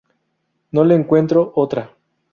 No le encuentro otra".